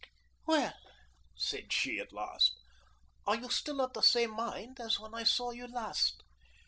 "Well," said she at last, "are you still of the same mind as when I saw you last?"